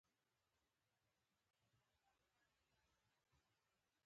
هغه عصمت قانع چې پوره پنځه دېرش کاله داغل شوی دی.